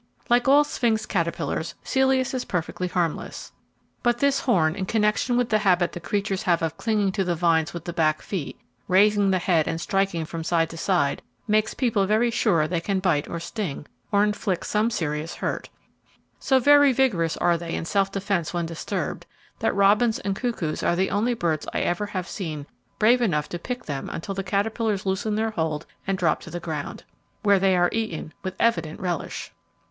Like all sphinx caterpillars Celeus is perfectly harmless; but this horn, in connexion with the habit the creatures have of clinging to the vines with the back feet, raising the head and striking from side to side, makes people very sure they can bite or sting, or inflict some serious hurt. So very vigorous are they in self defence when disturbed, that robins and cuckoos are the only birds I ever have seen brave enough to pick them until the caterpillars loosen their hold and drop to the ground, where they are eaten with evident relish.